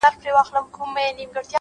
دا ستا دسرو سترگو خمار وچاته څه وركوي؛